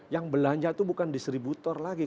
yang belanja itu bukan distributor lagi